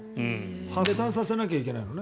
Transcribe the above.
発散させなきゃいけないのね。